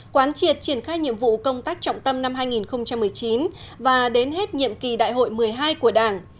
quán triệt triển khai nhiệm vụ công tác trọng tâm năm hai nghìn một mươi chín và đến hết nhiệm kỳ đại hội một mươi hai của đảng